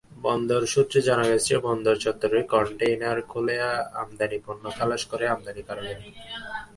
বন্দর সূত্রে জানা গেছে, বন্দর চত্বরে কনটেইনার খুলে আমদানি পণ্য খালাস করেন আমদানিকারকেরা।